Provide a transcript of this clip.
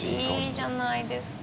いいじゃないですか。